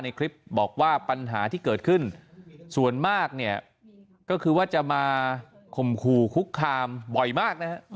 คลิปบอกว่าปัญหาที่เกิดขึ้นส่วนมากเนี่ยก็คือว่าจะมาข่มขู่คุกคามบ่อยมากนะฮะ